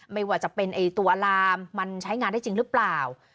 ไม่ว่าจะเป็นตัวลามมันใช้งานได้จริงหรือเปล่า